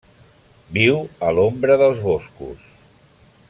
Viu a l'ombra dels boscos.